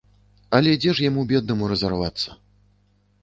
Але дзе ж яму беднаму разарвацца.